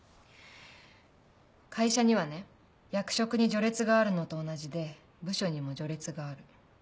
会社にはね役職に序列があるのと同じで部署にも序列がある。